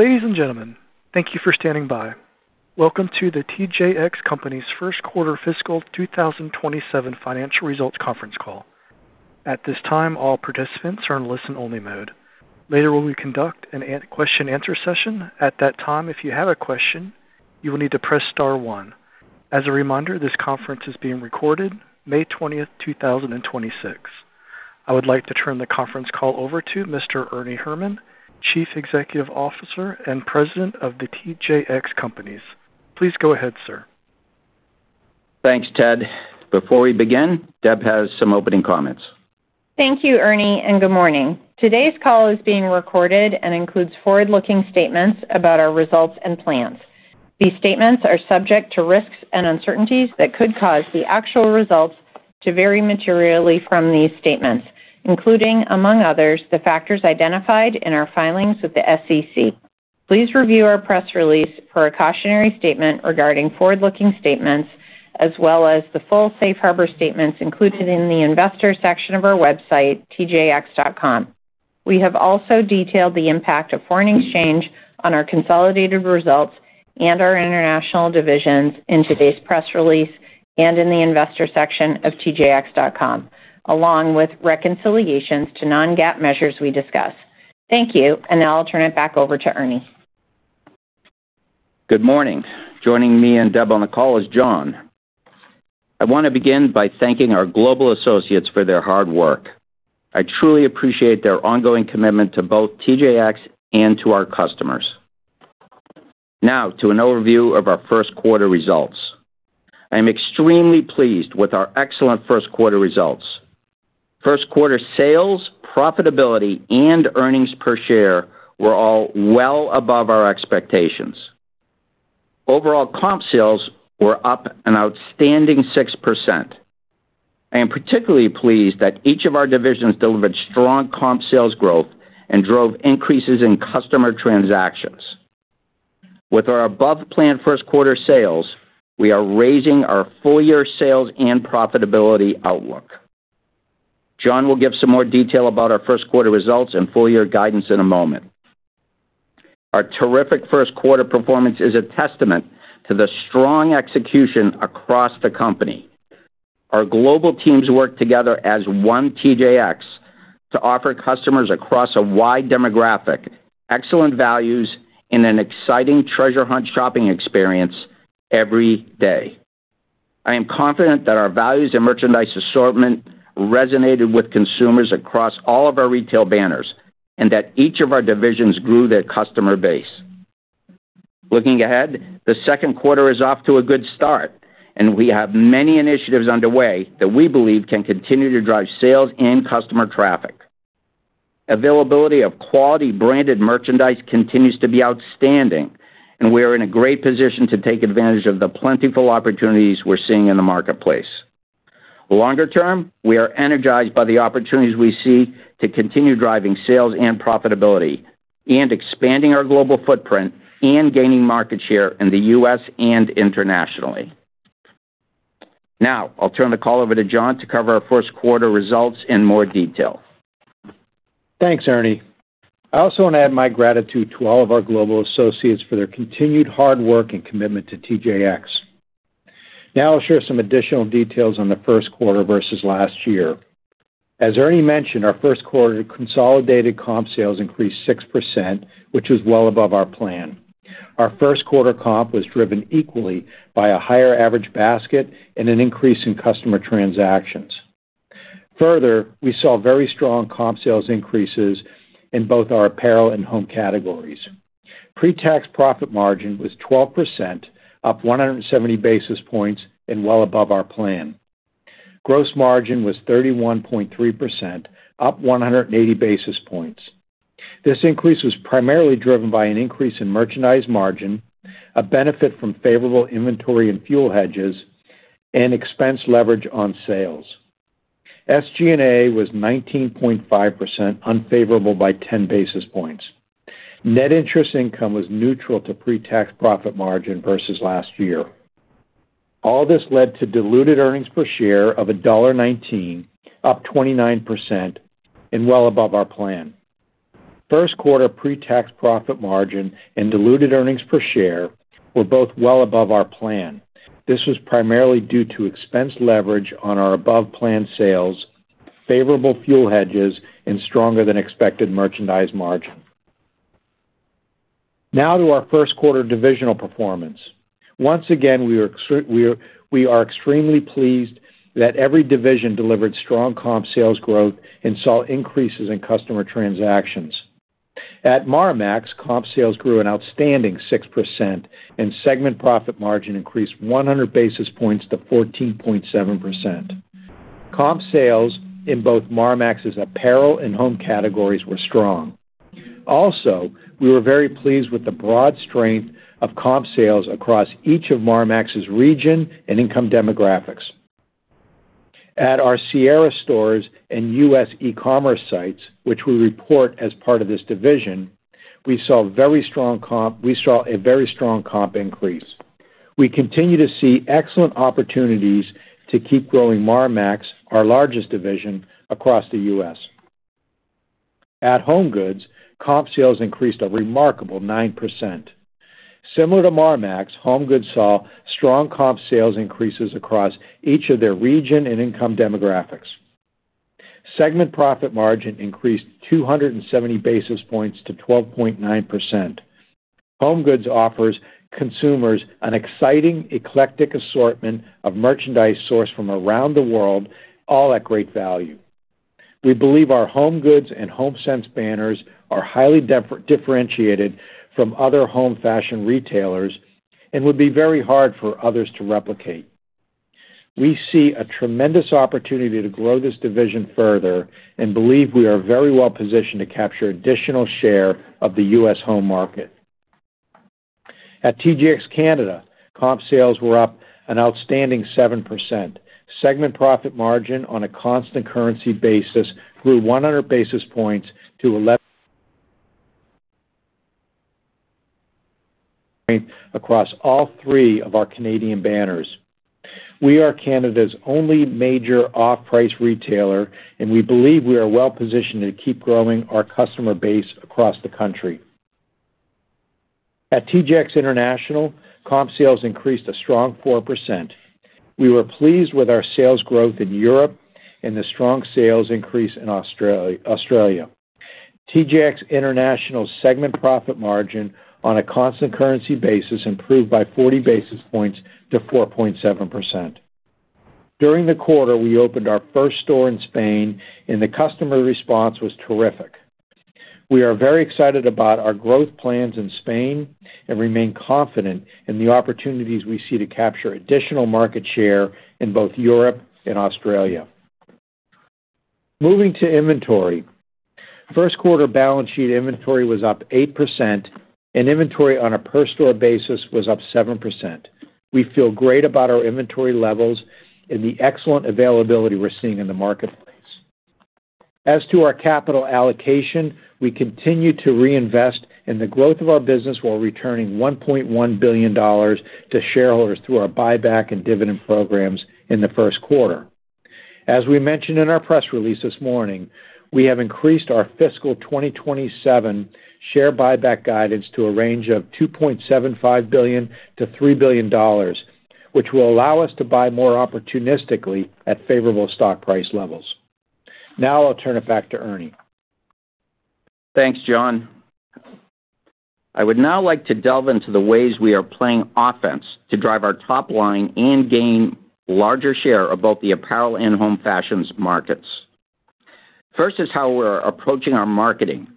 Ladies and gentlemen, thank you for standing by. Welcome to The TJX Companies first quarter fiscal 2027 financial results conference call. I would like to turn the conference call over to Mr. Ernie Herrman, Chief Executive Officer and President of The TJX Companies. Please go ahead, sir. Thanks, Ted. Before we begin, Deb has some opening comments. Thank you, Ernie. Good morning. Today's call is being recorded and includes forward-looking statements about our results and plans. These statements are subject to risks and uncertainties that could cause the actual results to vary materially from these statements, including, among others, the factors identified in our filings with the SEC. Please review our press release for a cautionary statement regarding forward-looking statements, as well as the full safe harbor statements included in the investor section of our website, tjx.com. We have also detailed the impact of foreign exchange on our consolidated results and our international divisions in today's press release and in the investor section of tjx.com, along with reconciliations to non-GAAP measures we discuss. Thank you. Now I'll turn it back over to Ernie. Good morning. Joining me and Deb on the call is John. I want to begin by thanking our global associates for their hard work. I truly appreciate their ongoing commitment to both TJX and to our customers. Now to an overview of our first-quarter results. I am extremely pleased with our excellent first-quarter results. First-quarter sales, profitability, and earnings per share were all well above our expectations. Overall comp sales were up an outstanding 6%. I am particularly pleased that each of our divisions delivered strong comp sales growth and drove increases in customer transactions. With our above-plan first-quarter sales, we are raising our full-year sales and profitability outlook. John will give some more detail about our first-quarter results and full-year guidance in a moment. Our terrific first-quarter performance is a testament to the strong execution across the company. Our global teams work together as one TJX to offer customers across a wide demographic excellent values and an exciting treasure hunt shopping experience every day. I am confident that our values and merchandise assortment resonated with consumers across all of our retail banners, and that each of our divisions grew their customer base. Looking ahead, the second quarter is off to a good start, and we have many initiatives underway that we believe can continue to drive sales and customer traffic. Availability of quality branded merchandise continues to be outstanding, and we are in a great position to take advantage of the plentiful opportunities we're seeing in the marketplace. Longer term, we are energized by the opportunities we see to continue driving sales and profitability, and expanding our global footprint, and gaining market share in the U.S. and internationally. Now, I'll turn the call over to John to cover our first-quarter results in more detail. Thanks, Ernie. I also want to add my gratitude to all of our global associates for their continued hard work and commitment to TJX. I'll share some additional details on the first quarter versus last year. As Ernie mentioned, our first quarter consolidated comp sales increased 6%, which was well above our plan. Our first-quarter comp was driven equally by a higher average basket and an increase in customer transactions. We saw very strong comp sales increases in both our apparel and home categories. Pre-tax profit margin was 12%, up 170 basis points and well above our plan. Gross margin was 31.3%, up 180 basis points. This increase was primarily driven by an increase in merchandise margin, a benefit from favorable inventory and fuel hedges, and expense leverage on sales. SG&A was 19.5%, unfavorable by 10 basis points. Net interest income was neutral to pre-tax profit margin versus last year. All this led to diluted earnings per share of $1.19, up 29% and well above our plan. First quarter pre-tax profit margin and diluted earnings per share were both well above our plan. This was primarily due to expense leverage on our above-plan sales, favorable fuel hedges, and stronger than expected merchandise margin. Now to our first quarter divisional performance. Once again, we are extremely pleased that every division delivered strong comp sales growth and saw increases in customer transactions. At Marmaxx, comp sales grew an outstanding 6%, and segment profit margin increased 100 basis points to 14.7%. Comp sales in both Marmaxx's apparel and home categories were strong. Also, we were very pleased with the broad strength of comp sales across each of Marmaxx's region and income demographics. At our Sierra stores and U.S. e-commerce sites, which we report as part of this division, we saw a very strong comp increase. We continue to see excellent opportunities to keep growing Marmaxx, our largest division across the U.S. At HomeGoods, comp sales increased a remarkable 9%. Similar to Marmaxx, HomeGoods saw strong comp sales increases across each of their region and income demographics. Segment profit margin increased 270 basis points to 12.9%. HomeGoods offers consumers an exciting, eclectic assortment of merchandise sourced from around the world, all at great value. We believe our HomeGoods and HomeSense banners are highly differentiated from other home fashion retailers and would be very hard for others to replicate. We see a tremendous opportunity to grow this division further and believe we are very well positioned to capture additional share of the U.S. home market. At TJX Canada, comp sales were up an outstanding 7%. Segment profit margin on a constant currency basis grew 100 basis points to 11% across all three of our Canadian banners. We are Canada's only major off-price retailer, and we believe we are well positioned to keep growing our customer base across the country. At TJX International, comp sales increased a strong 4%. We were pleased with our sales growth in Europe and the strong sales increase in Australia. TJX International segment profit margin on a constant currency basis improved by 40 basis points to 4.7%. During the quarter, we opened our first store in Spain, and the customer response was terrific. We are very excited about our growth plans in Spain and remain confident in the opportunities we see to capture additional market share in both Europe and Australia. Moving to inventory. First quarter balance sheet inventory was up 8%. Inventory on a per store basis was up 7%. We feel great about our inventory levels and the excellent availability we're seeing in the marketplace. As to our capital allocation, we continue to reinvest in the growth of our business while returning $1.1 billion to shareholders through our buyback and dividend programs in the first quarter. As we mentioned in our press release this morning, we have increased our fiscal 2027 share buyback guidance to a range of $2.75 billion-$3 billion, which will allow us to buy more opportunistically at favorable stock price levels. I'll turn it back to Ernie. Thanks, John. I would now like to delve into the ways we are playing offense to drive our top line and gain larger share of both the apparel and home fashions markets. First is how we are approaching our marketing.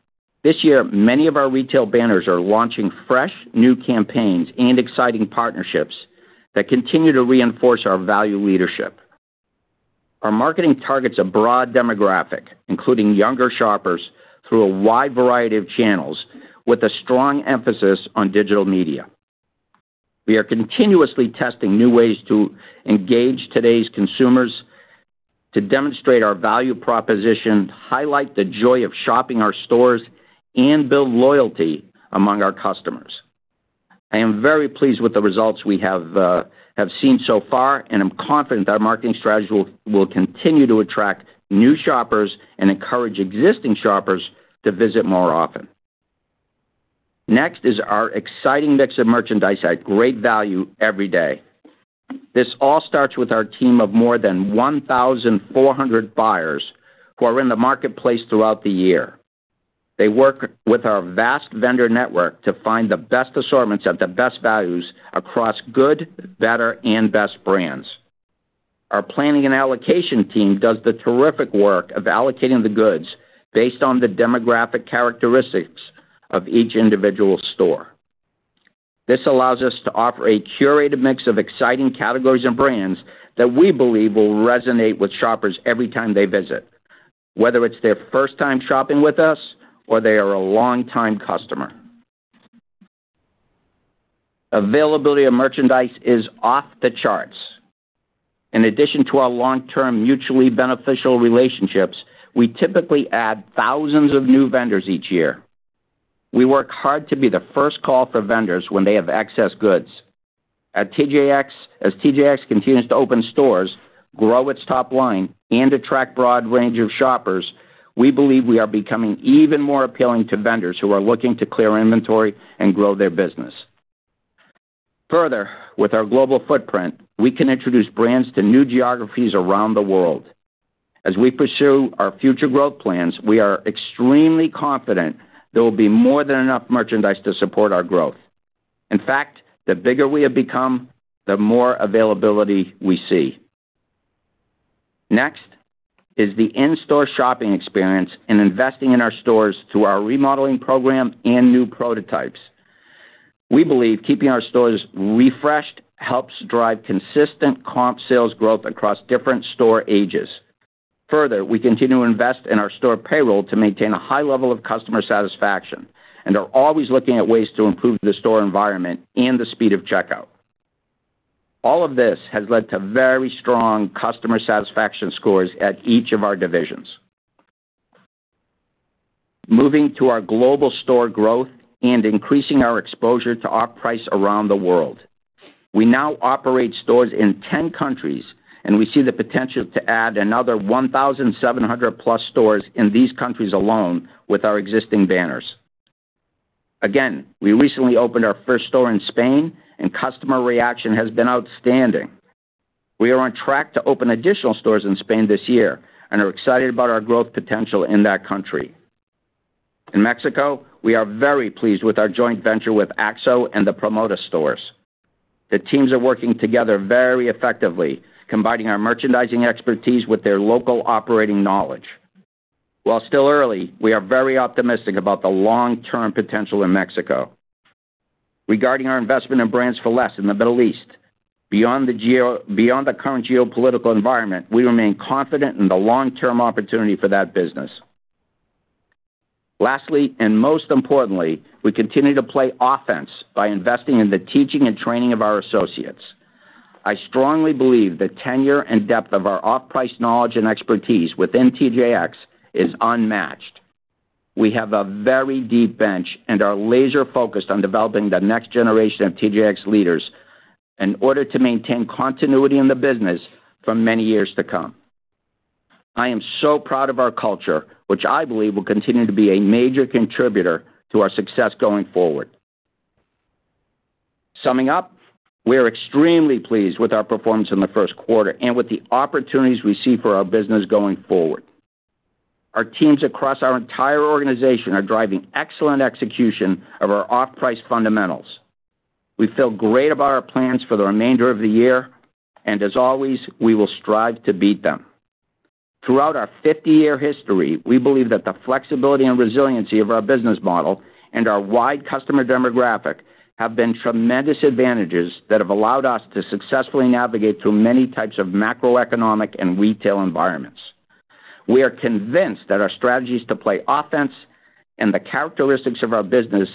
This year, many of our retail banners are launching fresh new campaigns and exciting partnerships that continue to reinforce our value leadership. Our marketing targets a broad demographic, including younger shoppers, through a wide variety of channels with a strong emphasis on digital media. We are continuously testing new ways to engage today's consumers to demonstrate our value proposition, highlight the joy of shopping our stores, and build loyalty among our customers. I am very pleased with the results we have seen so far, and I'm confident that our marketing strategy will continue to attract new shoppers and encourage existing shoppers to visit more often. Next is our exciting mix of merchandise at great value every day. This all starts with our team of more than 1,400 buyers who are in the marketplace throughout the year. They work with our vast vendor network to find the best assortments at the best values across good, better, and best brands. Our planning and allocation team does the terrific work of allocating the goods based on the demographic characteristics of each individual store. This allows us to offer a curated mix of exciting categories and brands that we believe will resonate with shoppers every time they visit, whether it's their first time shopping with us or they are a long-time customer. Availability of merchandise is off the charts. In addition to our long-term, mutually beneficial relationships, we typically add thousands of new vendors each year. We work hard to be the first call for vendors when they have excess goods. As TJX continues to open stores, grow its top line, and attract broad range of shoppers, we believe we are becoming even more appealing to vendors who are looking to clear inventory and grow their business. Further, with our global footprint, we can introduce brands to new geographies around the world. As we pursue our future growth plans, we are extremely confident there will be more than enough merchandise to support our growth. In fact, the bigger we have become, the more availability we see. Next is the in-store shopping experience and investing in our stores through our remodeling program and new prototypes. We believe keeping our stores refreshed helps drive consistent comp sales growth across different store ages. Further, we continue to invest in our store payroll to maintain a high level of customer satisfaction and are always looking at ways to improve the store environment and the speed of checkout. All of this has led to very strong customer satisfaction scores at each of our divisions. Moving to our global store growth and increasing our exposure to off-price around the world. We now operate stores in 10 countries, and we see the potential to add another 1,700-plus stores in these countries alone with our existing banners. Again, we recently opened our first store in Spain, and customer reaction has been outstanding. We are on track to open additional stores in Spain this year and are excited about our growth potential in that country. In Mexico, we are very pleased with our joint venture with Axo and the Promoda stores. The teams are working together very effectively, combining our merchandising expertise with their local operating knowledge. While still early, we are very optimistic about the long-term potential in Mexico. Regarding our investment in Brands For Less in the Middle East, beyond the current geopolitical environment, we remain confident in the long-term opportunity for that business. Lastly, and most importantly, we continue to play offense by investing in the teaching and training of our associates. I strongly believe the tenure and depth of our off-price knowledge and expertise within TJX is unmatched. We have a very deep bench and are laser-focused on developing the next generation of TJX leaders in order to maintain continuity in the business for many years to come. I am so proud of our culture, which I believe will continue to be a major contributor to our success going forward. Summing up, we are extremely pleased with our performance in the first quarter and with the opportunities we see for our business going forward. Our teams across our entire organization are driving excellent execution of our off-price fundamentals. We feel great about our plans for the remainder of the year. As always, we will strive to beat them. Throughout our 50-year history, we believe that the flexibility and resiliency of our business model and our wide customer demographic have been tremendous advantages that have allowed us to successfully navigate through many types of macroeconomic and retail environments. We are convinced that our strategies to play offense and the characteristics of our business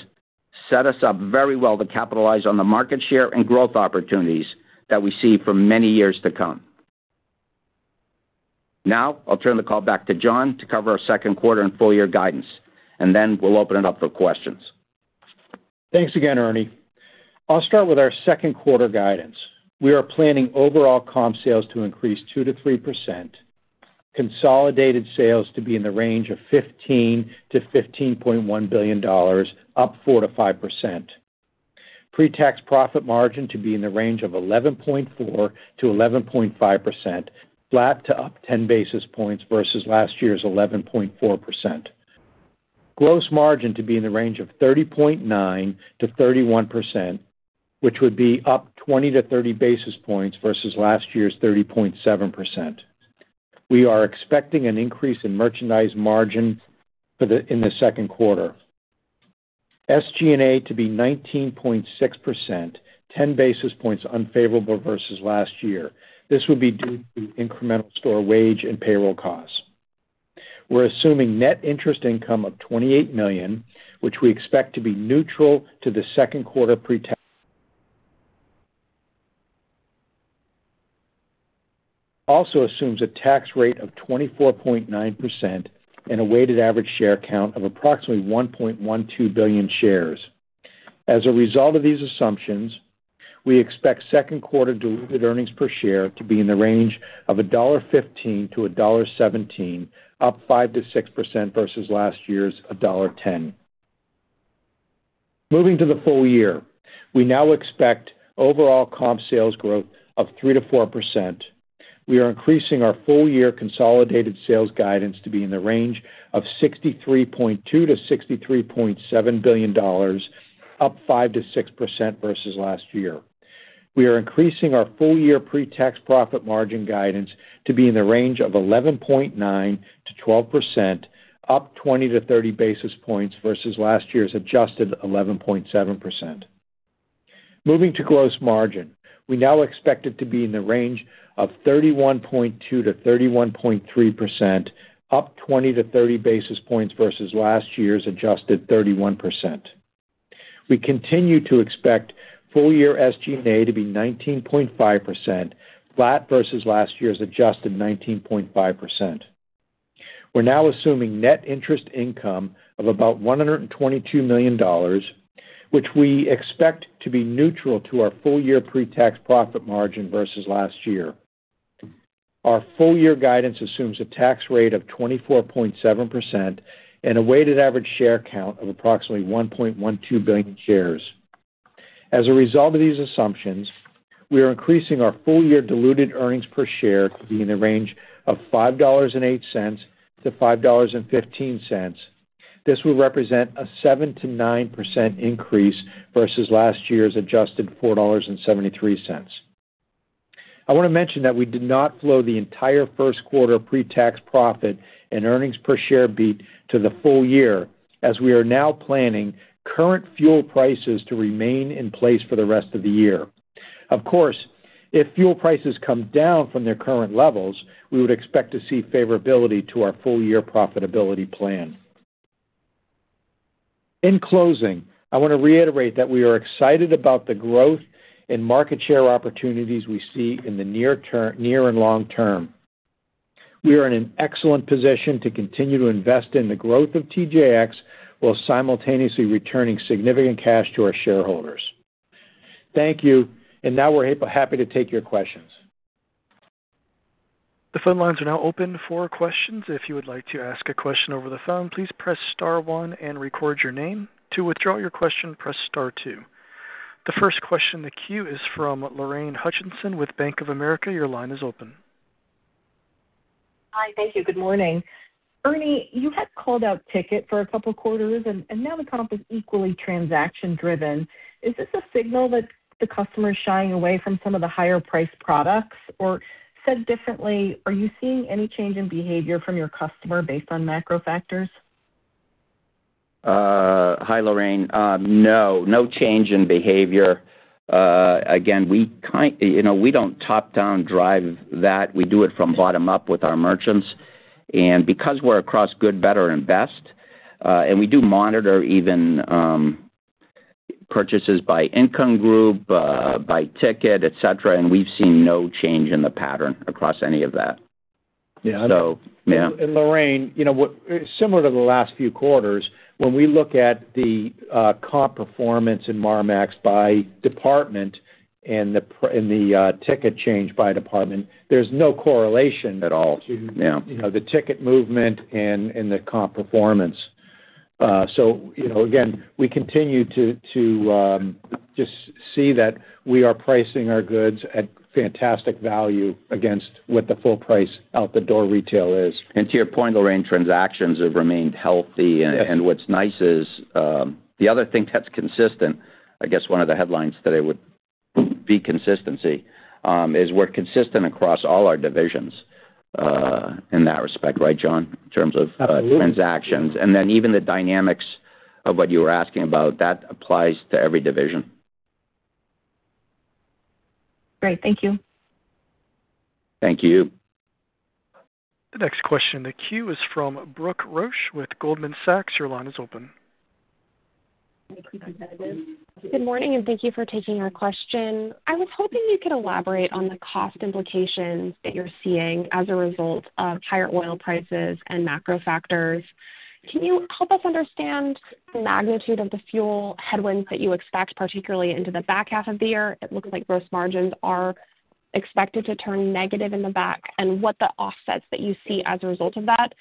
set us up very well to capitalize on the market share and growth opportunities that we see for many years to come. I'll turn the call back to John to cover our second quarter and full-year guidance, and then we'll open it up for questions. Thanks again, Ernie. I'll start with our second quarter guidance. We are planning overall comp sales to increase 2%-3%, consolidated sales to be in the range of $15 billion-$15.1 billion, up 4%-5%. Pre-tax profit margin to be in the range of 11.4%-11.5%, flat to up 10 basis points versus last year's 11.4%. Gross margin to be in the range of 30.9%-31%, which would be up 20 to 30 basis points versus last year's 30.7%. We are expecting an increase in merchandise margin in the second quarter. SG&A to be 19.6%, 10 basis points unfavorable versus last year. This will be due to incremental store wage and payroll costs. We're assuming net interest income of $28 million, which we expect to be neutral to the second quarter pre-tax. Also assumes a tax rate of 24.9% and a weighted average share count of approximately 1.12 billion shares. As a result of these assumptions, we expect second quarter diluted earnings per share to be in the range of $1.15-$1.17, up 5%-6% versus last year's $1.10. Moving to the full year, we now expect overall comp sales growth of 3%-4%. We are increasing our full-year consolidated sales guidance to be in the range of $63.2 billion-$63.7 billion, up 5%-6% versus last year. We are increasing our full-year pre-tax profit margin guidance to be in the range of 11.9%-12%, up 20-30 basis points versus last year's adjusted 11.7%. Moving to gross margin, we now expect it to be in the range of 31.2%-31.3%, up 20-30 basis points versus last year's adjusted 31%. We continue to expect full-year SG&A to be 19.5%, flat versus last year's adjusted 19.5%. We're now assuming net interest income of about $122 million, which we expect to be neutral to our full-year pre-tax profit margin versus last year. Our full-year guidance assumes a tax rate of 24.7% and a weighted average share count of approximately 1.12 billion shares. As a result of these assumptions, we are increasing our full-year diluted earnings per share to be in the range of $5.08-$5.15. This will represent a 7%-9% increase versus last year's adjusted $4.73. I want to mention that we did not flow the entire first quarter pre-tax profit and earnings per share beat to the full year, as we are now planning current fuel prices to remain in place for the rest of the year. Of course, if fuel prices come down from their current levels, we would expect to see favorability to our full-year profitability plan. In closing, I wanna reiterate that we are excited about the growth and market share opportunities we see in the near and long term. We are in an excellent position to continue to invest in the growth of TJX, while simultaneously returning significant cash to our shareholders. Thank you. Now we're happy to take your questions. The phone lines are now open for questions. If you would like to ask a question over the phone, please press star one and record your name. To withdraw your question, press star two. The first question in the queue is from Lorraine Hutchinson with Bank of America. Your line is open. Hi. Thank you. Good morning. Ernie, you had called out ticket for a couple of quarters. Now the comp is equally transaction-driven. Is this a signal that the customer is shying away from some of the higher priced products? Said differently, are you seeing any change in behavior from your customer based on macro factors? Hi, Lorraine. No. No change in behavior. We don't top-down drive that. We do it from bottom up with our merchants. Because we're across good, better, and best, and we do monitor even purchases by income group, by ticket, et cetera, and we've seen no change in the pattern across any of that. Yeah. Yeah. Lorraine, similar to the last few quarters, when we look at the comp performance in Marmaxx by department and the ticket change by department, there's no correlation at all. Mm-hmm. Yeah. to the ticket movement and the comp performance. Again, we continue to just see that we are pricing our goods at fantastic value against what the full price out the door retail is. To your point, Lorraine, transactions have remained healthy. Yeah. What's nice is, the other thing that's consistent, I guess one of the headlines today would be consistency, is we're consistent across all our divisions, in that respect. Right, John? Absolutely transactions. Even the dynamics of what you were asking about, that applies to every division. Great. Thank you. Thank you. The next question in the queue is from Brooke Roach with Goldman Sachs. Your line is open. Thank you. Good morning, thank you for taking our question. I was hoping you could elaborate on the cost implications that you're seeing as a result of higher oil prices and macro factors. Can you help us understand the magnitude of the fuel headwinds that you expect, particularly into the back half of the year? It looks like gross margins are expected to turn negative in the back, and what the offsets that you see as a result of that?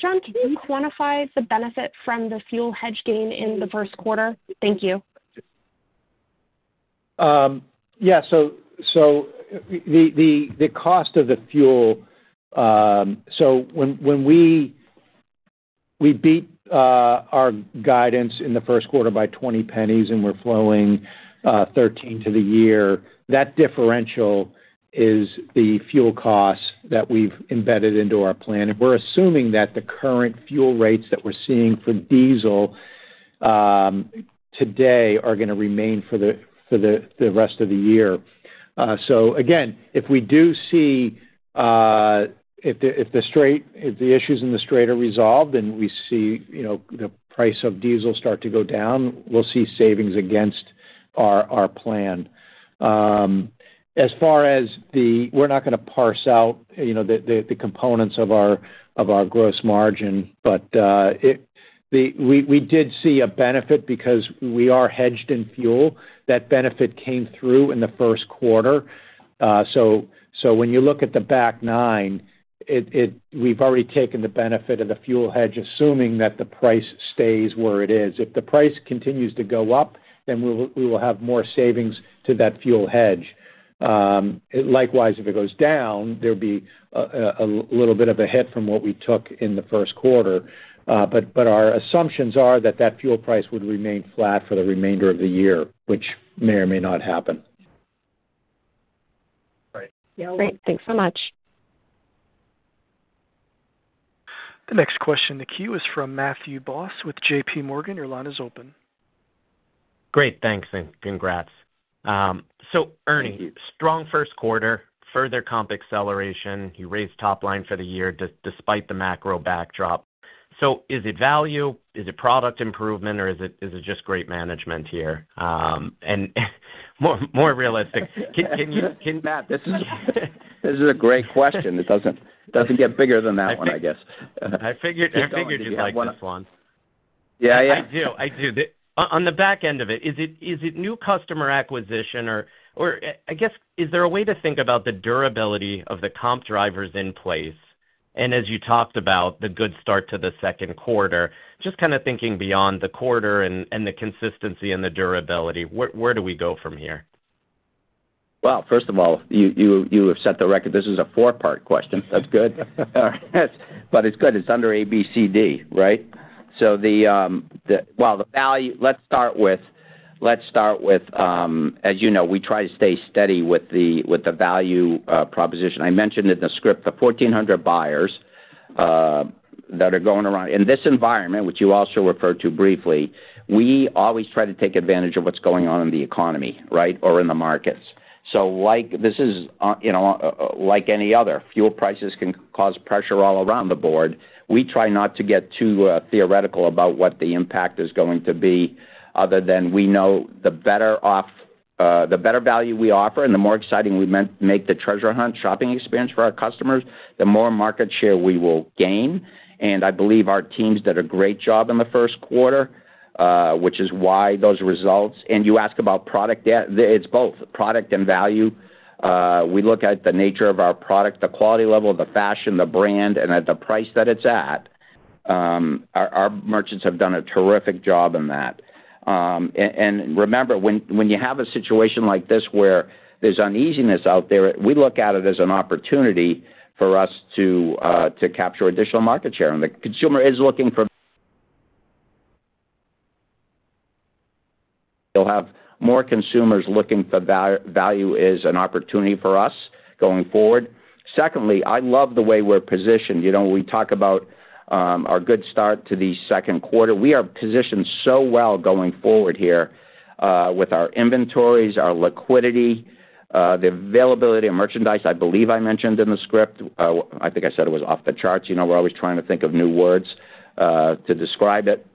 John, can you quantify the benefit from the fuel hedge gain in the first quarter? Thank you. The cost of the fuel. When we beat our guidance in the first quarter by $0.20 and we're flowing $0.13 to the year, that differential is the fuel cost that we've embedded into our plan. We're assuming that the current fuel rates that we're seeing for diesel today are going to remain for the rest of the year. Again, if the issues in the Strait are resolved and we see the price of diesel start to go down, we'll see savings against our plan. We're not going to parse out the components of our gross margin. We did see a benefit because we are hedged in fuel. That benefit came through in the first quarter. When you look at the back nine, we've already taken the benefit of the fuel hedge, assuming that the price stays where it is. If the price continues to go up, we will have more savings to that fuel hedge. Likewise, if it goes down, there'd be a little bit of a hit from what we took in the first quarter. Our assumptions are that fuel price would remain flat for the remainder of the year, which may or may not happen. Right. Great. Thanks so much. The next question in the queue is from Matthew Boss with JPMorgan. Your line is open. Great. Thanks, and congrats. Thank you. Ernie, strong first quarter, further comp acceleration. You raised top line for the year despite the macro backdrop. Is it value, is it product improvement, or is it just great management here? Matt, this is a great question. It doesn't get bigger than that one, I guess. I figured you'd like this one. Yeah. I do. On the back end of it, is it new customer acquisition, or I guess, is there a way to think about the durability of the comp drivers in place? As you talked about the good start to the second quarter, just kind of thinking beyond the quarter and the consistency and the durability, where do we go from here? First of all, you have set the record. This is a 4-part question. That's good. It's good. It's under A, B, C, D, right? Let's start with, as you know, we try to stay steady with the value proposition. I mentioned in the script the 1,400 buyers that are going around in this environment, which you also referred to briefly. We always try to take advantage of what's going on in the economy, or in the markets. This is like any other. Fuel prices can cause pressure all around the board. We try not to get too theoretical about what the impact is going to be, other than we know the better value we offer and the more exciting we make the treasure hunt shopping experience for our customers, the more market share we will gain. I believe our teams did a great job in the first quarter, which is why those results. You ask about product. It is both product and value. We look at the nature of our product, the quality level, the fashion, the brand, and at the price that it is at. Our merchants have done a terrific job in that. Remember, when you have a situation like this where there is uneasiness out there, we look at it as an opportunity for us to capture additional market share. They will have more consumers looking for value is an opportunity for us going forward. Secondly, I love the way we are positioned. We talk about our good start to the second quarter. We are positioned so well going forward here, with our inventories, our liquidity, the availability of merchandise, I believe I mentioned in the script. I think I said it was off the charts. We're always trying to think of new words to describe it.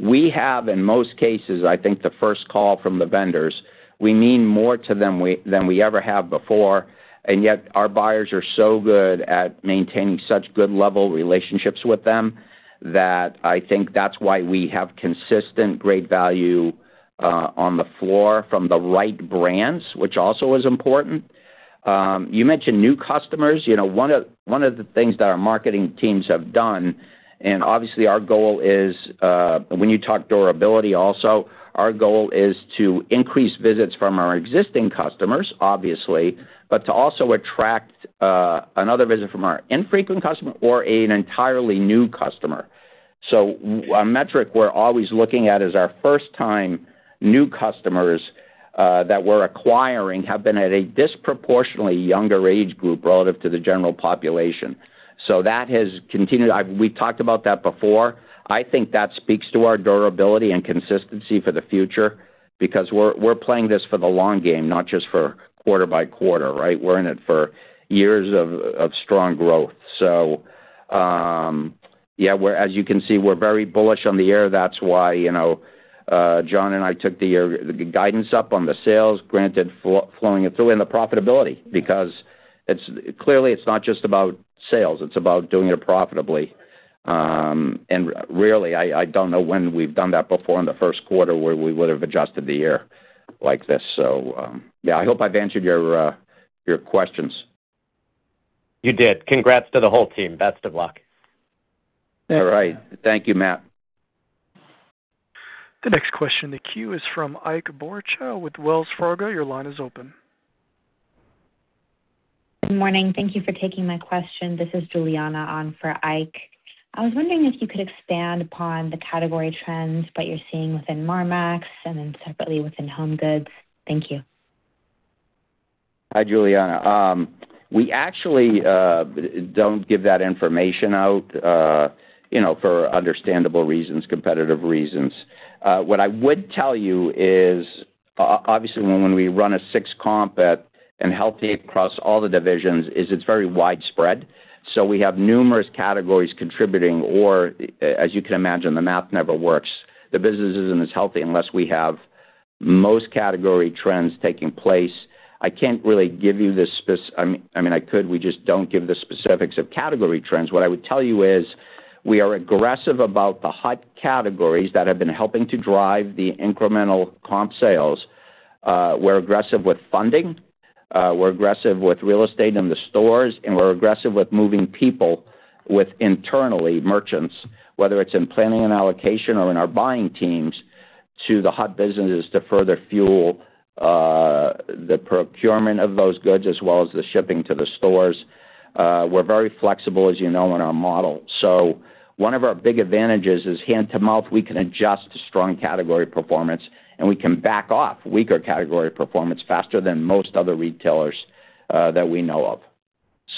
We have, in most cases, I think, the first call from the vendors. We mean more to them than we ever have before, and yet our buyers are so good at maintaining such good level relationships with them that I think that's why we have consistent great value on the floor from the right brands, which also is important. You mentioned new customers. One of the things that our marketing teams have done, and obviously our goal is when you talk durability also, our goal is to increase visits from our existing customers, obviously, but to also attract another visit from our infrequent customer or an entirely new customer. A metric we're always looking at is our first time new customers that we're acquiring have been at a disproportionately younger age group relative to the general population. That has continued. We talked about that before. I think that speaks to our durability and consistency for the future because we're playing this for the long game, not just for quarter by quarter, right? We're in it for years of strong growth. As you can see, we're very bullish on the year. That's why John and I took the guidance up on the sales, granted flowing it through into profitability because clearly, it's not just about sales. It's about doing it profitably. Rarely, I don't know when we've done that before in the first quarter where we would've adjusted the year like this. Yeah, I hope I've answered your questions. You did. Congrats to the whole team. Best of luck. All right. Thank you, Matt. The next question in the queue is from Ike Boruchow with Wells Fargo. Your line is open. Good morning. Thank you for taking my question. This is Juliana on for Ike. I was wondering if you could expand upon the category trends that you're seeing within Marmaxx, and then separately within HomeGoods. Thank you. Hi, Juliana. We actually don't give that information out for understandable reasons, competitive reasons. What I would tell you is, obviously when we run a 6 comp and healthy across all the divisions, is it's very widespread. We have numerous categories contributing, or as you can imagine, the math never works. The business isn't as healthy unless we have most category trends taking place. I can't really give you, I mean, I could, we just don't give the specifics of category trends. What I would tell you is we are aggressive about the hot categories that have been helping to drive the incremental comp sales. We're aggressive with funding, we're aggressive with real estate in the stores, and we're aggressive with moving people with internally merchants, whether it's in planning and allocation or in our buying teams, to the hot businesses to further fuel the procurement of those goods as well as the shipping to the stores. We're very flexible, as you know, in our model. One of our big advantages is hand to mouth. We can adjust to strong category performance, and we can back off weaker category performance faster than most other retailers that we know of.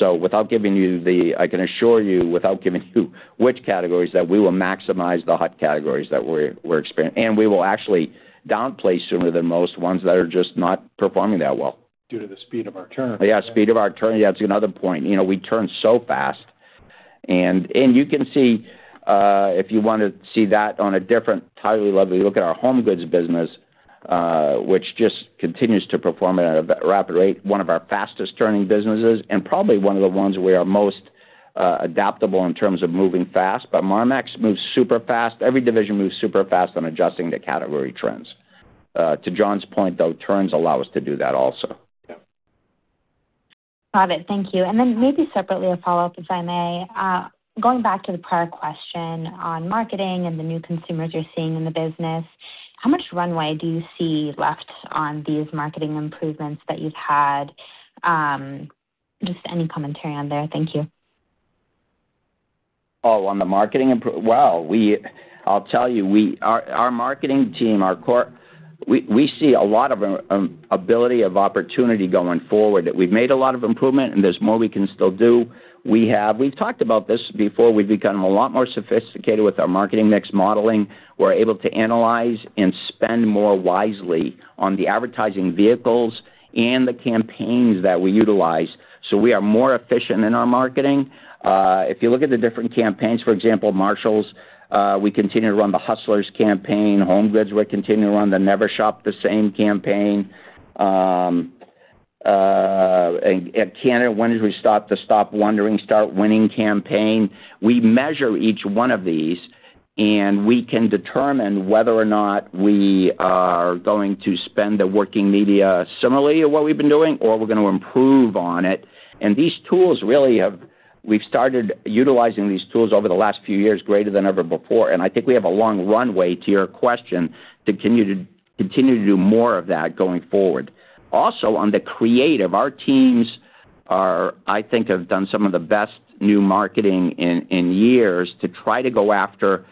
I can assure you, without giving you which categories, that we will maximize the hot categories that we're experiencing, and we will actually downplay sooner than most ones that are just not performing that well. Due to the speed of our turn. Yeah, speed of our turn. Yeah, that's another point. We turn so fast and you can see, if you want to see that on a different category level, you look at our HomeGoods business, which just continues to perform at a rapid rate, one of our fastest turning businesses and probably one of the ones we are most adaptable in terms of moving fast. Marmaxx moves super fast. Every division moves super fast on adjusting to category trends. To John's point, though, turns allow us to do that also. Yeah. Got it. Thank you. Maybe separately a follow-up, if I may. Going back to the prior question on marketing and the new consumers you're seeing in the business, how much runway do you see left on these marketing improvements that you've had? Just any commentary on there. Thank you. Oh, on the marketing improvement. Well, I'll tell you, our marketing team, we see a lot of ability of opportunity going forward. That we've made a lot of improvement, and there's more we can still do. We've talked about this before. We've become a lot more sophisticated with our marketing mix modeling. We're able to analyze and spend more wisely on the advertising vehicles and the campaigns that we utilize. We are more efficient in our marketing. If you look at the different campaigns, for example, Marshalls, we continue to run The Hustlers campaign. HomeGoods, we continue to run the Never Shop the Same campaign. At Canada, when did we start the Stop Wondering, Start Winning campaign. We measure each one of these, and we can determine whether or not we are going to spend the working media similarly to what we've been doing or we're going to improve on it. We've started utilizing these tools over the last few years, greater than ever before. I think we have a long runway, to your question, to continue to do more of that going forward. Also, on the creative, our teams, I think, have done some of the best new marketing in years to try to go after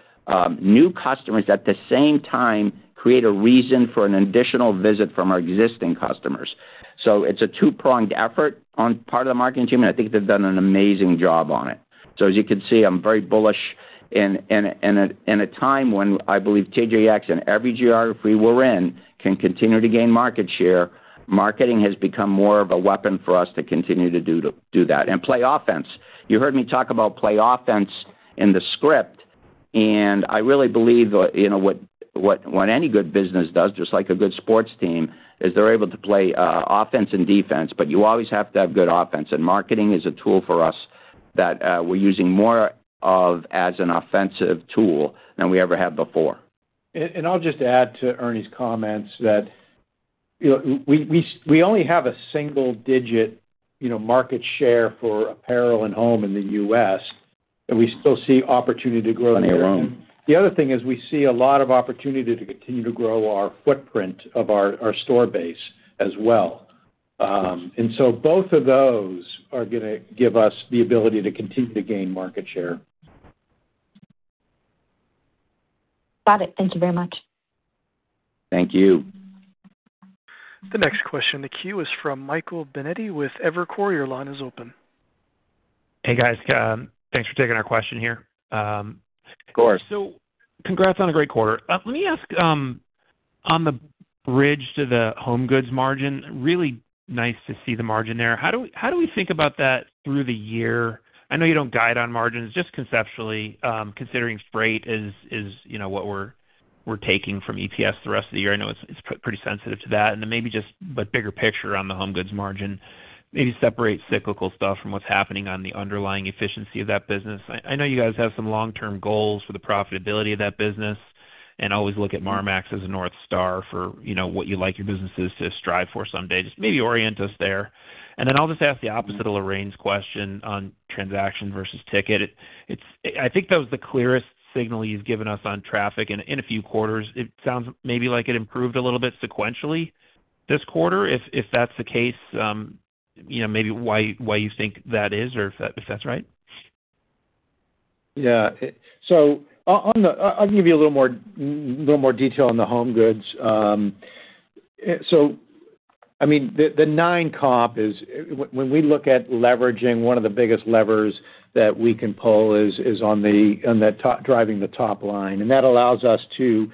new customers, at the same time, create a reason for an additional visit from our existing customers. It's a two-pronged effort on part of the marketing team, and I think they've done an amazing job on it. As you can see, I'm very bullish in a time when I believe TJX, in every geography we're in, can continue to gain market share. Marketing has become more of a weapon for us to continue to do that and play offense. You heard me talk about play offense in the script, and I really believe what any good business does, just like a good sports team, is they're able to play offense and defense, but you always have to have good offense. Marketing is a tool for us that we're using more of as an offensive tool than we ever have before. I'll just add to Ernie's comments that we only have a single-digit market share for apparel and home in the U.S., and we still see opportunity to grow there. Plenty of room. The other thing is we see a lot of opportunity to continue to grow our footprint of our store base as well. Both of those are going to give us the ability to continue to gain market share. Got it. Thank you very much. Thank you. The next question in the queue is from Michael Binetti with Evercore. Your line is open. Hey, guys. Thanks for taking our question here. Of course. Congrats on a great quarter. Let me ask, on the bridge to the HomeGoods margin, really nice to see the margin there. How do we think about that through the year? I know you don't guide on margins, just conceptually, considering freight is what we're taking from EPS the rest of the year, I know it's pretty sensitive to that. Maybe just bigger picture on the HomeGoods margin. Maybe separate cyclical stuff from what's happening on the underlying efficiency of that business. I know you guys have some long-term goals for the profitability of that business and always look at Marmaxx as a North Star for what you like your businesses to strive for someday. Just maybe orient us there. I'll just ask the opposite of Lorraine's question on transaction versus ticket. I think that was the clearest signal you've given us on traffic in a few quarters. It sounds maybe like it improved a little bit sequentially this quarter. If that's the case, maybe why you think that is, or if that's right? I'll give you a little more detail on the HomeGoods. The 9 comp is, when we look at leveraging, one of the biggest levers that we can pull is on driving the top line. That allows us to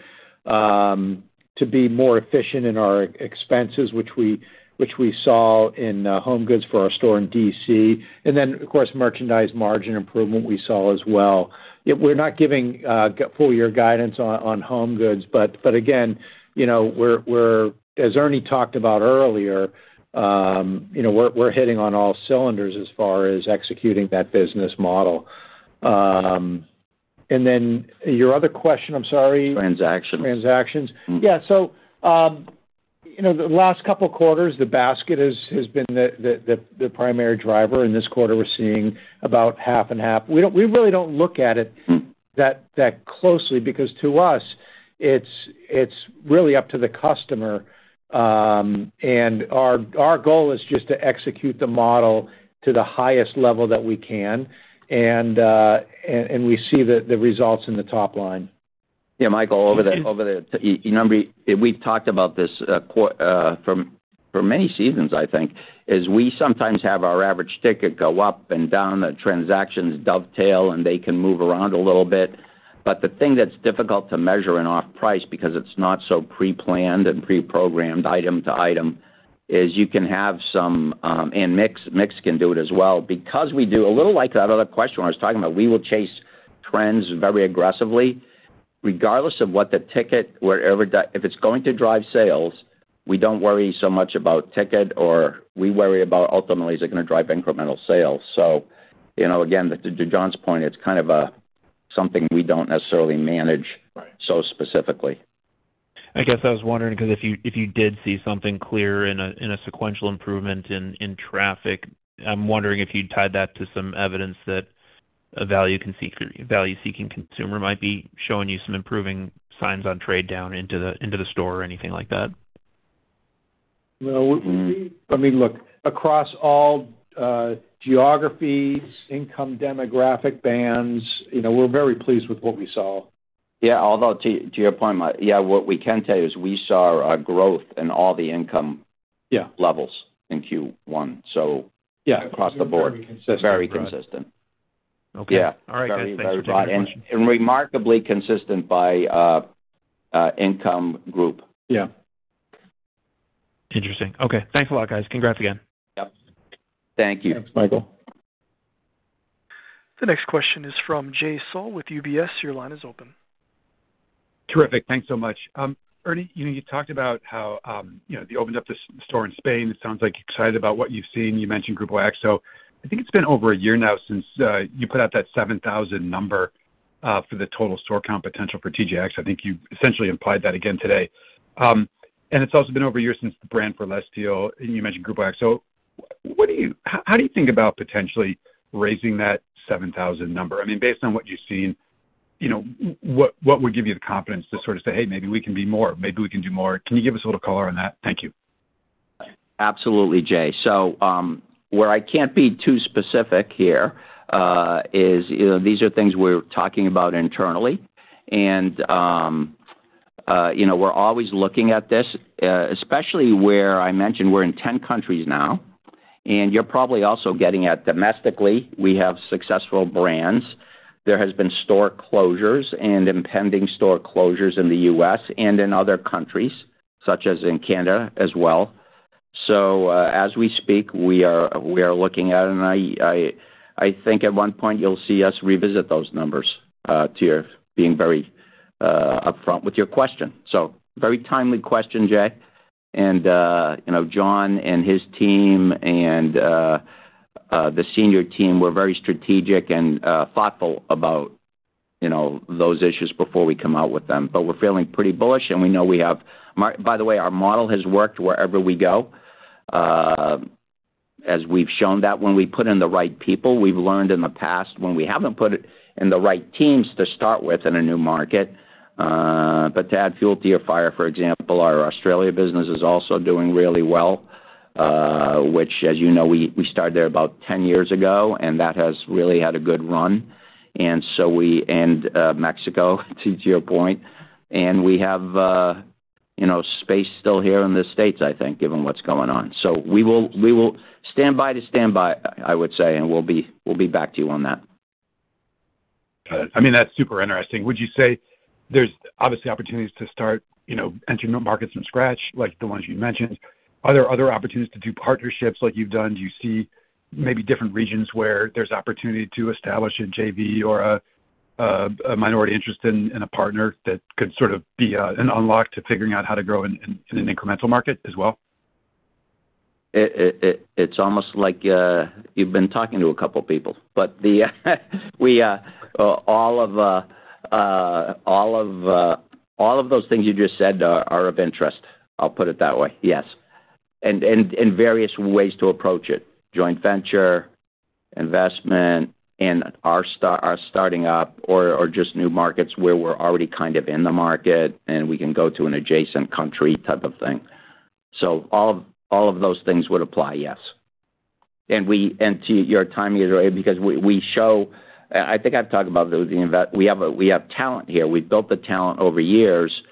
be more efficient in our expenses, which we saw in HomeGoods for our store in D.C. Then, of course, merchandise margin improvement we saw as well. We're not giving full year guidance on HomeGoods, but again, as Ernie talked about earlier, we're hitting on all cylinders as far as executing that business model. Then your other question, I'm sorry. Transactions. Transactions. Yeah. The last couple of quarters, the basket has been the primary driver. In this quarter, we're seeing about half and half. We really don't look at it that closely because to us, it's really up to the customer. Our goal is just to execute the model to the highest level that we can, and we see the results in the top line. Yeah, Michael- Thank you. over the number, we've talked about this for many seasons, I think. We sometimes have our average ticket go up and down, the transactions dovetail, and they can move around a little bit. The thing that's difficult to measure in off price because it's not so pre-planned and pre-programmed item to item is you can have some, and mix can do it as well. We do, a little like that other question where I was talking about we will chase trends very aggressively regardless of what the ticket, if it's going to drive sales, we don't worry so much about ticket or we worry about ultimately, is it going to drive incremental sales. Again, to John's point, it's kind of something we don't necessarily manage. Right Specifically. I guess I was wondering because if you did see something clear in a sequential improvement in traffic, I'm wondering if you tied that to some evidence that a value-seeking consumer might be showing you some improving signs on trade down into the store or anything like that. Well, look, across all geographies, income demographic bands, we're very pleased with what we saw. Yeah. To your point, what we can tell you is we saw a growth in all the income- Yeah levels in Q1. Across the board. Yeah. It was very consistent. Very consistent. Okay. Yeah. All right, guys. Thanks for taking my question. Remarkably consistent by income group. Yeah. Interesting. Okay. Thanks a lot, guys. Congrats again. Yep. Thank you. Thanks, Michael. The next question is from Jay Sole with UBS. Your line is open. Terrific. Thanks so much. Ernie, you talked about how you opened up this store in Spain. It sounds like you're excited about what you've seen. You mentioned Grupo Axo. I think it's been over a year now since you put out that 7,000 number for the total store count potential for TJX. I think you essentially implied that again today. It's also been over a year since the Brands For Less deal, and you mentioned Grupo Axo. How do you think about potentially raising that 7,000 number? Based on what you've seen, what would give you the confidence to say, "Hey, maybe we can be more. Maybe we can do more." Can you give us a little color on that? Thank you. Absolutely, Jay. Where I can't be too specific here is these are things we're talking about internally, and we're always looking at this, especially where I mentioned we're in 10 countries now, and you're probably also getting at domestically, we have successful brands. There has been store closures and impending store closures in the U.S. and in other countries, such as in Canada as well. As we speak, we are looking at it, and I think at one point you'll see us revisit those numbers, to your being very upfront with your question. Very timely question, Jay. John and his team and the senior team, we're very strategic and thoughtful about those issues before we come out with them. We're feeling pretty bullish, and we know we have By the way, our model has worked wherever we go, as we've shown that when we put in the right people, we've learned in the past when we haven't put in the right teams to start with in a new market. To add fuel to your fire, for example, our Australia business is also doing really well, which, as you know, we started there about 10 years ago, and that has really had a good run. Mexico, to your point. We have space still here in the U.S., I think, given what's going on. We will stand by to stand by, I would say, and we'll be back to you on that. Got it. That's super interesting. Would you say there's obviously opportunities to start entering new markets from scratch, like the ones you mentioned? Are there other opportunities to do partnerships like you've done? Do you see maybe different regions where there's opportunity to establish a JV or a minority interest in a partner that could sort of be an unlock to figuring out how to grow in an incremental market as well? It's almost like you've been talking to a couple people. All of those things you just said are of interest, I'll put it that way. Yes. Various ways to approach it, joint venture, investment, and our starting up or just new markets where we're already kind of in the market and we can go to an adjacent country type of thing. All of those things would apply, yes. To your timing, because I think I've talked about we have talent here. We've built the talent over years.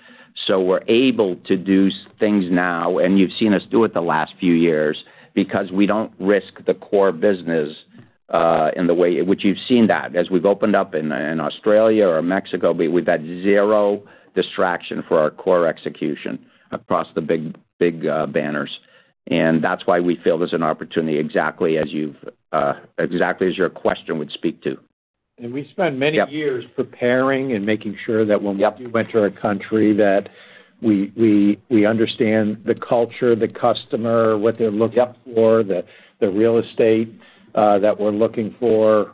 We're able to do things now, and you've seen us do it the last few years, because we don't risk the core business which you've seen that. As we've opened up in Australia or Mexico, we've had zero distraction for our core execution across the big banners. That's why we feel there's an opportunity, exactly as your question would speak to. We spend many years preparing and making sure that when we do enter a country, that we understand the culture, the customer, what they're looking for, the real estate that we're looking for.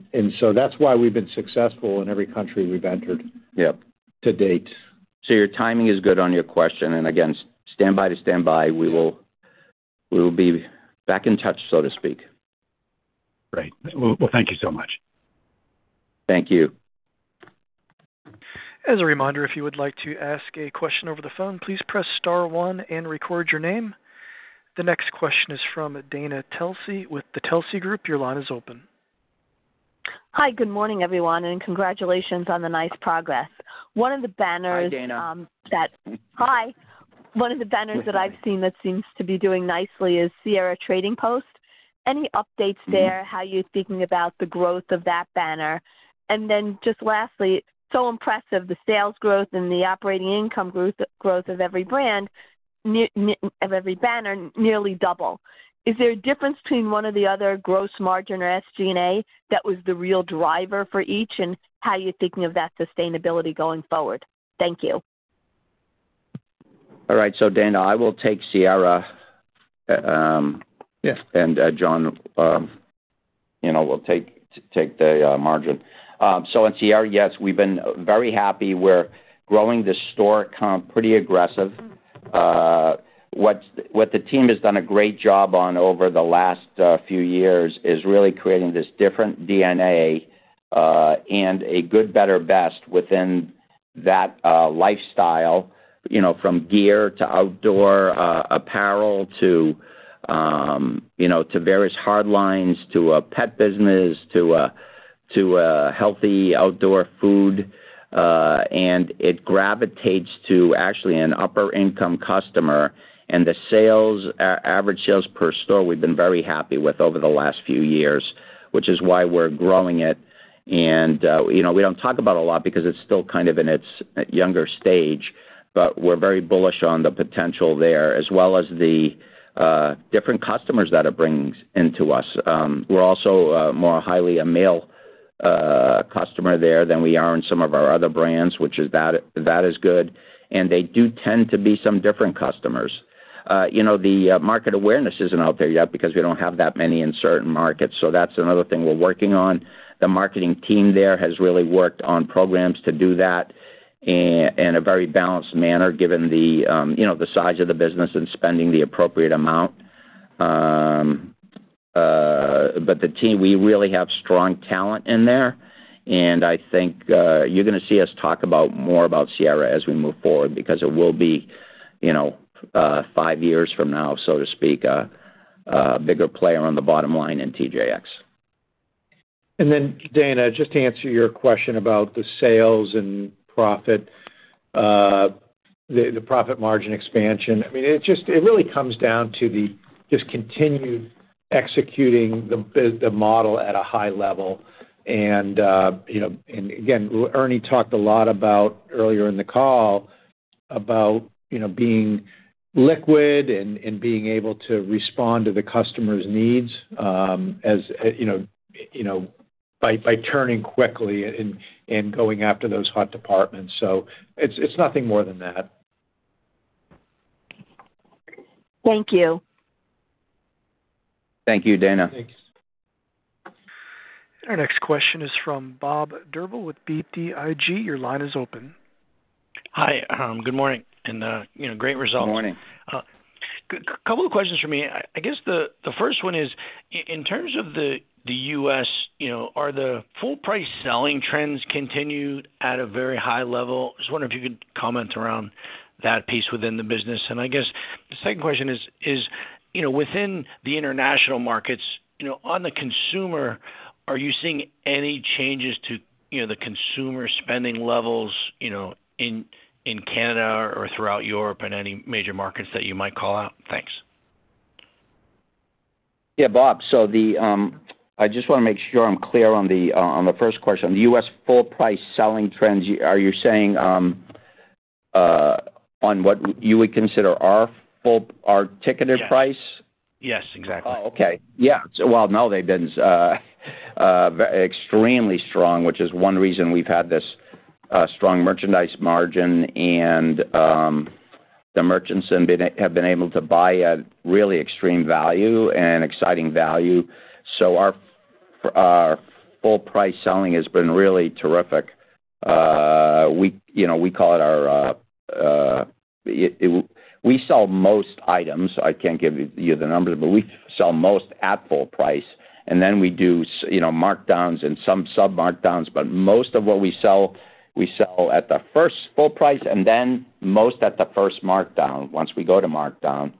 That's why we've been successful in every country we've entered to date. Your timing is good on your question. Again, stand by to stand by. We will be back in touch, so to speak. Great. Well, thank you so much. Thank you. The next question is from Dana Telsey with Telsey Advisory Group. Your line is open. Hi. Good morning, everyone, and congratulations on the nice progress. One of the banners. Hi, Dana. Hi. One of the banners that I've seen that seems to be doing nicely is Sierra Trading Post. Any updates there, how you're thinking about the growth of that banner? Just lastly, so impressive, the sales growth and the operating income growth of every brand, of every banner, nearly double. Is there a difference between one or the other gross margin or SG&A that was the real driver for each, and how you're thinking of that sustainability going forward? Thank you. All right. Dana, I will take Sierra. Yeah. John will take the margin. In Sierra, yes, we've been very happy. We're growing the store count pretty aggressive. What the team has done a great job on over the last few years is really creating this different DNA and a good, better, best within that lifestyle from gear to outdoor apparel to various hard lines, to a pet business, to a healthy outdoor food. It gravitates to actually an upper income customer. The average sales per store, we've been very happy with over the last few years, which is why we're growing it. We don't talk about it a lot because it's still in its younger stage, but we're very bullish on the potential there, as well as the different customers that it brings into us. We're also more highly a male customer there than we are in some of our other brands, which that is good. They do tend to be some different customers. The market awareness isn't out there yet because we don't have that many in certain markets, so that's another thing we're working on. The marketing team there has really worked on programs to do that in a very balanced manner, given the size of the business and spending the appropriate amount. The team, we really have strong talent in there. I think you're gonna see us talk more about Sierra as we move forward, because it will be, five years from now, so to speak, a bigger player on the bottom line in TJX. Dana, just to answer your question about the sales and profit, the profit margin expansion. It really comes down to the just continued executing the model at a high level. Ernie talked a lot about, earlier in the call, about being liquid and being able to respond to the customer's needs by turning quickly and going after those hot departments. It's nothing more than that. Thank you. Thank you, Dana. Thanks. Our next question is from Bob Drbul with BTIG. Your line is open. Hi, good morning. Great results. Good morning. Couple of questions from me. I guess the first one is, in terms of the U.S., are the full price selling trends continued at a very high level? I was wondering if you could comment around that piece within the business. I guess the second question is, within the international markets, on the consumer, are you seeing any changes to the consumer spending levels in Canada or throughout Europe and any major markets that you might call out? Thanks. Yeah, Bob. I just wanna make sure I'm clear on the first question. The U.S. full price selling trends, are you saying on what you would consider our ticketed price? Yes, exactly. They've been extremely strong, which is one reason we've had this strong merchandise margin, and the merchants have been able to buy at really extreme value and exciting value. Our full price selling has been really terrific. We sell most items. I can't give you the numbers, but we sell most at full price, and then we do markdowns and some sub-markdowns. Most of what we sell, we sell at the first full price, and then most at the first markdown, once we go to markdown.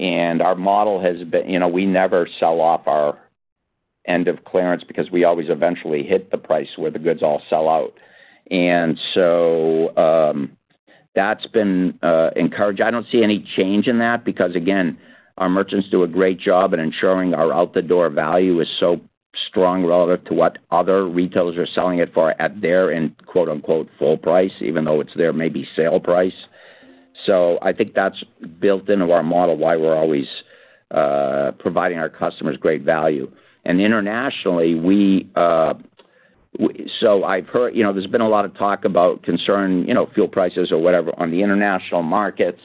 Our model has been, we never sell off our end of clearance because we always eventually hit the price where the goods all sell out. That's been encouraging. I don't see any change in that because, again, our merchants do a great job at ensuring our out-the-door value is so strong relative to what other retailers are selling it for at their in, quote unquote, "full price," even though it's their maybe sale price. I think that's built into our model, why we're always providing our customers great value. Internationally, there's been a lot of talk about concern, fuel prices or whatever on the international markets,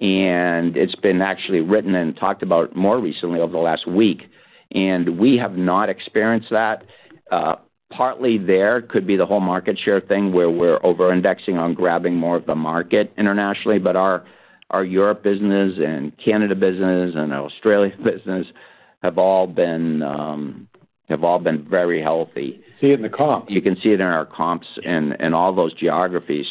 and it's been actually written and talked about more recently over the last week. We have not experienced that. Partly there could be the whole market share thing where we're over-indexing on grabbing more of the market internationally, but our Europe business and Canada business and Australia business have all been very healthy. See it in the comps. You can see it in our comps in all those geographies.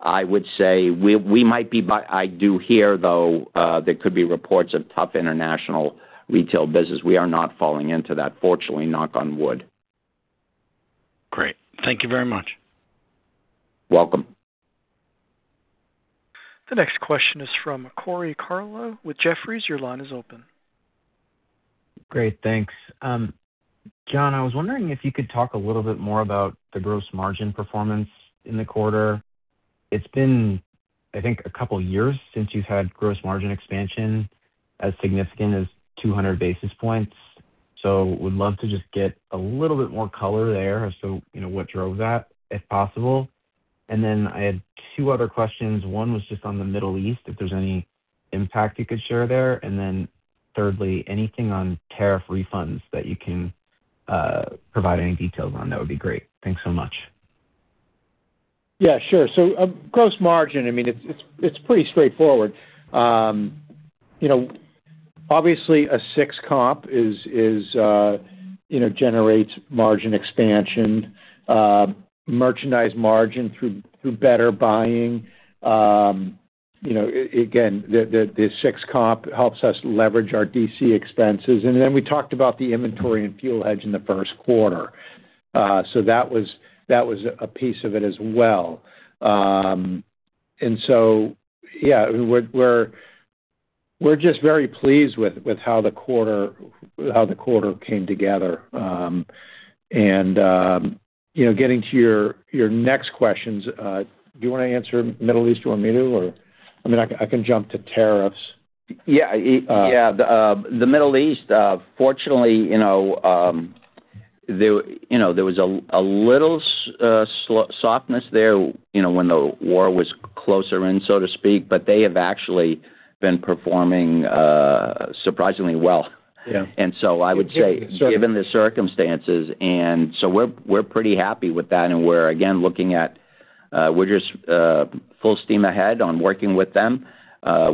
I would say, I do hear, though, there could be reports of tough international retail business. We are not falling into that, fortunately, knock on wood. Great. Thank you very much. Welcome. The next question is from Corey Tarlowe with Jefferies. Your line is open. Great, thanks. John, I was wondering if you could talk a little bit more about the gross margin performance in the quarter. It's been, I think, a couple of years since you've had gross margin expansion as significant as 200 basis points. Would love to just get a little bit more color there as to what drove that, if possible. I had 2 other questions. One was just on the Middle East, if there's any impact you could share there. Thirdly, anything on tariff refunds that you can provide any details on, that would be great. Thanks so much. Yeah, sure. Gross margin, it's pretty straightforward. Obviously, a 6 comp generates margin expansion. Merchandise margin through better buying. Again, the 6 comp helps us leverage our DC expenses. We talked about the inventory and fuel hedge in the first quarter. That was a piece of it as well. Yeah, we're just very pleased with how the quarter came together. Getting to your next questions, do you want to answer Middle East, you want me to, or I can jump to tariffs. Yeah. The Middle East, fortunately, there was a little softness there when the war was closer in, so to speak, but they have actually been performing surprisingly well. Yeah. I would say, given the circumstances, and so we're pretty happy with that, and we're again, just full steam ahead on working with them.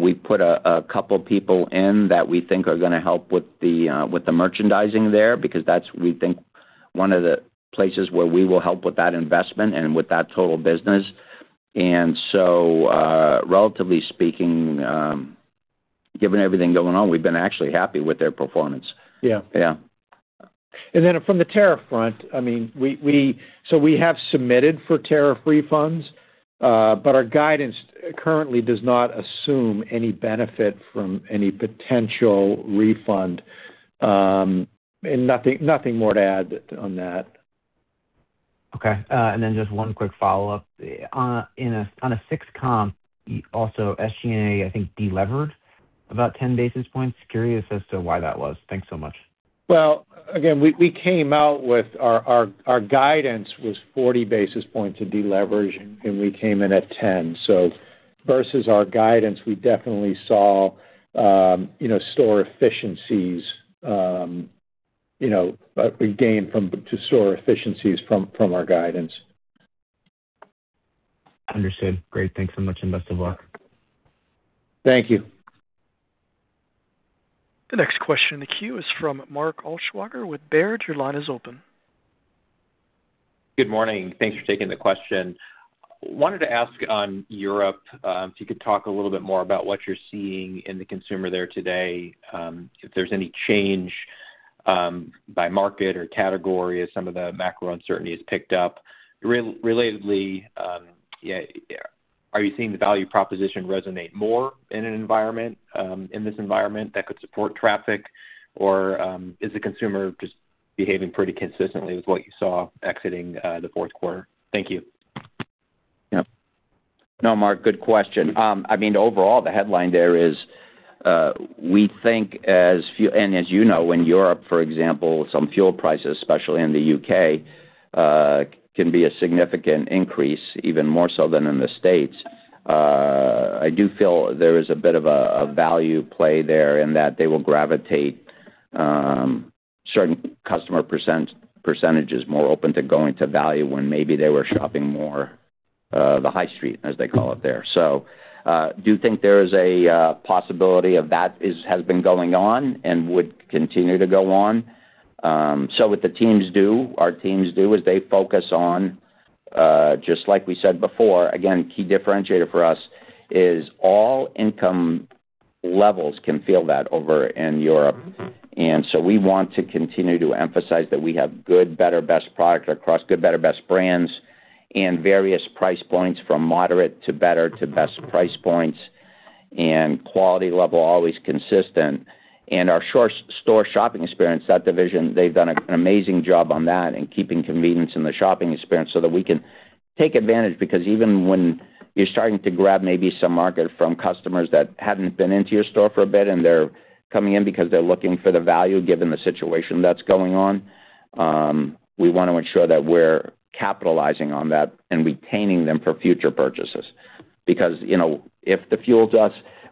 We put a couple people in that we think are going to help with the merchandising there, because that's, we think, one of the places where we will help with that investment and with that total business. Relatively speaking, given everything going on, we've been actually happy with their performance. Yeah. Yeah. From the tariff front, we have submitted for tariff refunds, but our guidance currently does not assume any benefit from any potential refund. Nothing more to add on that. Okay. Just one quick follow-up. On a fixed comp, also, SG&A, I think, delevered about 10 basis points. Curious as to why that was. Thanks so much. Well, again, we came out with our guidance was 40 basis points of deleverage, and we came in at 10. Versus our guidance, we definitely saw store efficiencies, gain to store efficiencies from our guidance. Understood. Great. Thanks so much. Best of luck. Thank you. The next question in the queue is from Mark Altschwager with Baird. Your line is open. Good morning. Thanks for taking the question. Wanted to ask on Europe, if you could talk a little bit more about what you're seeing in the consumer there today, if there's any change by market or category as some of the macro uncertainty has picked up. Relatedly, are you seeing the value proposition resonate more in this environment that could support traffic, or is the consumer just behaving pretty consistently with what you saw exiting the fourth quarter? Thank you. Yep. No, Mark, good question. Overall, the headline there is, we think as, and as you know, in Europe, for example, some fuel prices, especially in the U.K., can be a significant increase, even more so than in the U.S. I do feel there is a bit of a value play there in that they will gravitate certain customer % more open to going to value when maybe they were shopping more the high street, as they call it there. I do think there is a possibility of that has been going on and would continue to go on. What the teams do, our teams do, is they focus on, just like we said before, again, key differentiator for us is all income levels can feel that over in Europe. We want to continue to emphasize that we have good, better, best product across good, better, best brands and various price points from moderate to better to best price points and quality level always consistent. Our store shopping experience, that division, they've done an amazing job on that and keeping convenience in the shopping experience so that we can take advantage because even when you're starting to grab maybe some market from customers that haven't been into your store for a bit and they're coming in because they're looking for the value given the situation that's going on, we want to ensure that we're capitalizing on that and retaining them for future purchases. If the fuel,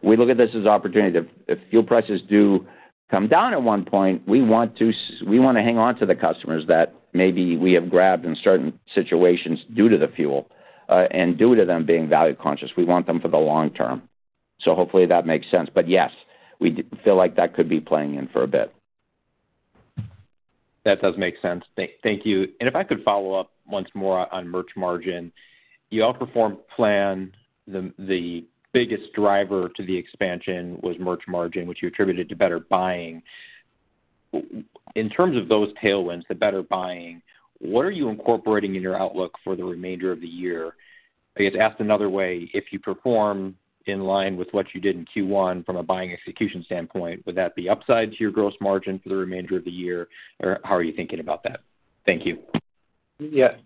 we look at this as opportunity. If fuel prices do come down at one point, we want to hang on to the customers that maybe we have grabbed in certain situations due to the fuel, and due to them being value conscious. We want them for the long term. Hopefully that makes sense. Yes, we feel like that could be playing in for a bit. That does make sense. Thank you. If I could follow up once more on merch margin. You outperformed plan. The biggest driver to the expansion was merch margin, which you attributed to better buying. In terms of those tailwinds, the better buying, what are you incorporating in your outlook for the remainder of the year? I guess asked another way, if you perform in line with what you did in Q1 from a buying execution standpoint, would that be upside to your gross margin for the remainder of the year? How are you thinking about that? Thank you. Yeah.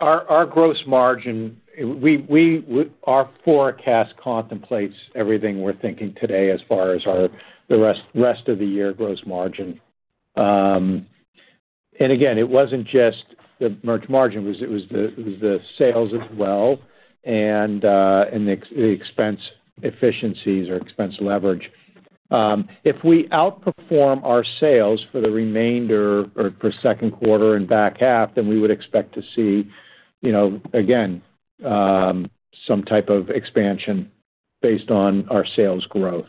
Our gross margin, our forecast contemplates everything we're thinking today as far as our rest of the year gross margin. Again, it wasn't just the merch margin, it was the sales as well and the expense efficiencies or expense leverage. If we outperform our sales for the remainder or for second quarter and back half, then we would expect to see, again, some type of expansion based on our sales growth.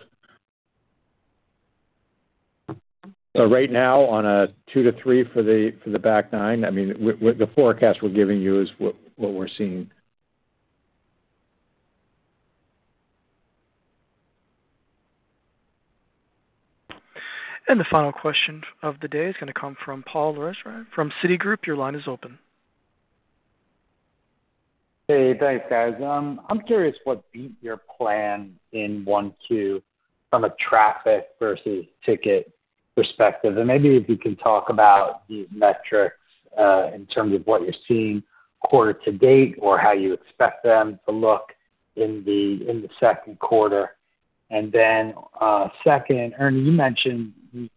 Right now, on a 2-3 for the back 9, the forecast we're giving you is what we're seeing. The final question of the day is going to come from Paul Lejuez from Citigroup. Your line is open. Hey, thanks guys. I'm curious what beat your plan in one two from a traffic versus ticket perspective, and maybe if you can talk about these metrics, in terms of what you're seeing quarter to date or how you expect them to look in the second quarter. Second, Ernie, you mentioned each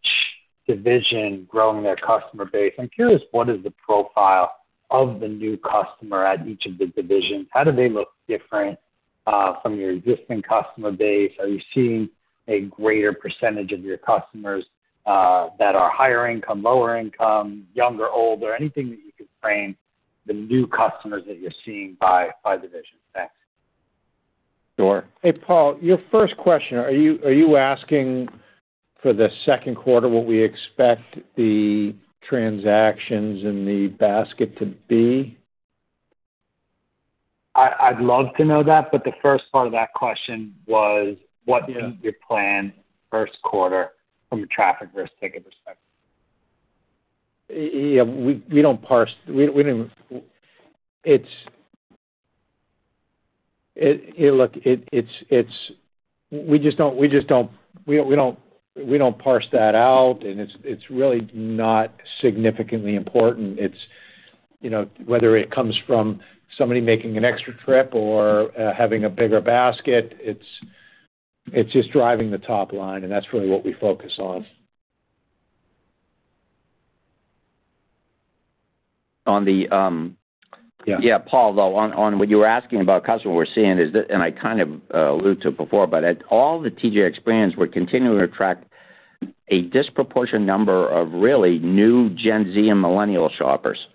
division growing their customer base. I'm curious, what is the profile of the new customer at each of the divisions? How do they look different, from your existing customer base? Are you seeing a greater percentage of your customers, that are higher income, lower income, young or old, or anything that you can frame the new customers that you're seeing by division? Thanks. Sure. Hey, Paul, your first question, are you asking for the second quarter what we expect the transactions in the basket to be? I'd love to know that, but the first part of that question was. Yeah Is your plan first quarter from a traffic versus ticket perspective? Yeah, we don't parse that out, and it's really not significantly important. Whether it comes from somebody making an extra trip or having a bigger basket, it's just driving the top line, and that's really what we focus on. On the, yeah, Paul, though, on what you were asking about customer. I kind of alluded to it before, but at all the TJX brands, we're continuing to attract a disproportionate number of really new Gen Z and millennial shoppers.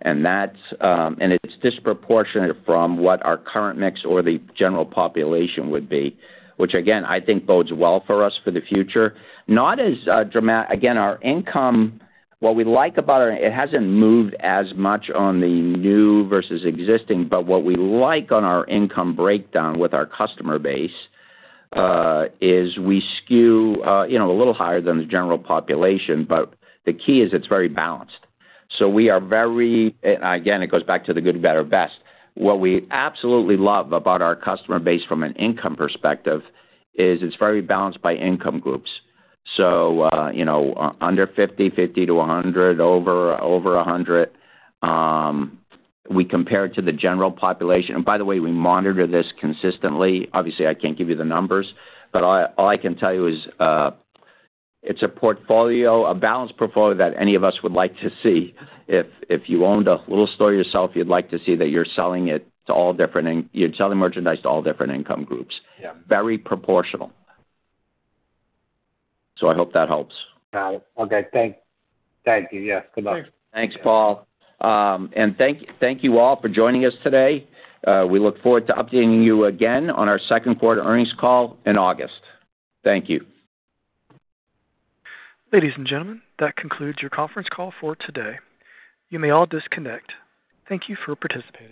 It's disproportionate from what our current mix or the general population would be, which again, I think bodes well for us for the future. Our income. It hasn't moved as much on the new versus existing, but what we like on our income breakdown with our customer base, is we skew a little higher than the general population, but the key is it's very balanced. We are very, again, it goes back to the good, better, best. What we absolutely love about our customer base from an income perspective is it's very balanced by income groups. Under 50 to 100, over 100. We compare it to the general population. By the way, we monitor this consistently. Obviously, I can't give you the numbers, but all I can tell you is, it's a balanced portfolio that any of us would like to see. If you owned a little store yourself, you'd like to see that you're selling merchandise to all different income groups. Yeah. Very proportional. I hope that helps. Got it. Okay, thank you. Yes, good luck. Sure. Thanks, Paul. Thank you all for joining us today. We look forward to updating you again on our second quarter earnings call in August. Thank you. Ladies and gentlemen, that concludes your conference call for today. You may all disconnect. Thank you for participating